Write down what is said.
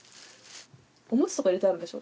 おむつとか入れてあるでしょ？